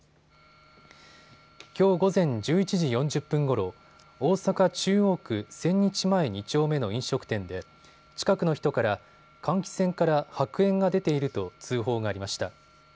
きょう午前１１時４０分ごろ、大阪中央区千日前２丁目の飲食店で近くの人から換気扇から白煙が出ていると通報がありました。